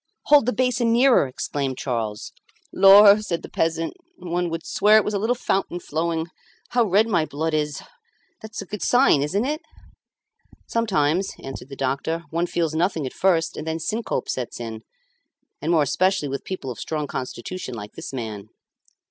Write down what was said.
"Hold the basin nearer," exclaimed Charles. "Lor!" said the peasant, "one would swear it was a little fountain flowing. How red my blood is! That's a good sign, isn't it?" "Sometimes," answered the doctor, "one feels nothing at first, and then syncope sets in, and more especially with people of strong constitution like this man."